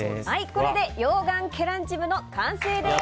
これで溶岩ケランチムの完成です。